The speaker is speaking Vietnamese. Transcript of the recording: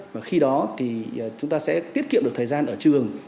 và khi đó thì chúng ta sẽ tiết kiệm được thời gian ở trường